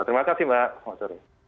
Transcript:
terima kasih mbak